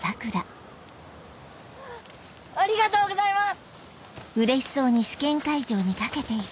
ありがとうございます！